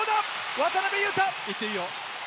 渡邊雄太！